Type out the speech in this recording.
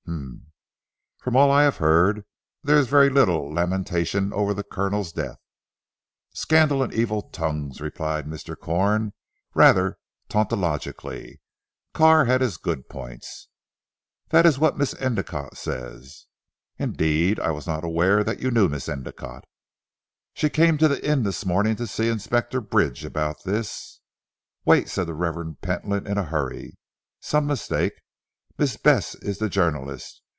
"Humph! From all I have heard, there is very little lamentation over the Colonel's death." "Scandal and evil tongues," replied Mr. Corn rather tautologically, "Carr had his good points." "That is what Miss Endicotte says." "Indeed! I was not aware that you knew Miss Endicotte?" "She came to the inn this morning to see Inspector Bridge about this " "Wait!" said the Revd. Pentland in a hurry, "some mistake. Miss Bess is the journalist.